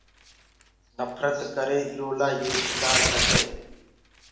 نڦرت ڪرينٚ ايرو لآ يي شڪآر ڪردآئينٚ